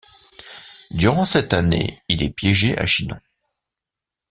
Durant cette année, il est piégé à Chinon.